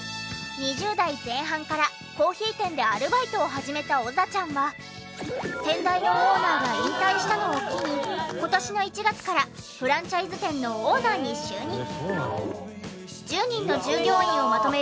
２０代前半からコーヒー店でアルバイトを始めたおざちゃんは先代のオーナーが引退したのを機に今年の１月からフランチャイズ店のオーナーに就任。